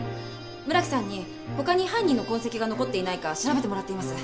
村木さんに他に犯人の痕跡が残っていないか調べてもらっています。